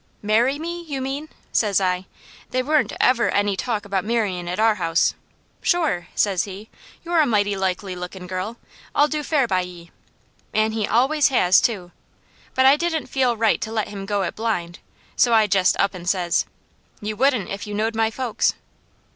"'Marry me, you mean?' says I. They wa'n't ever any talk about marryin' at our house. 'Sure!' says he. 'You're a mighty likely lookin' girl! I'll do fair by ye.' An' he always has, too! But I didn't feel right to let him go it blind, so I jest up and says. 'You wouldn't if you knowed my folks!'